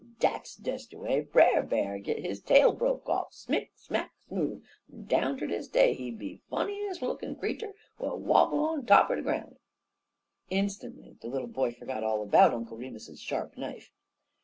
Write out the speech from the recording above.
"Dat's des de way Brer B'ar git his tail broke off smick smack smoove, en down ter dis day he be funnies' lookin' creetur w'at wobble on top er dry groun'." Instantly the little boy forgot all about Uncle Remus's sharp knife.